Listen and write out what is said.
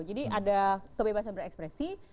jadi ada kebebasan berekspresi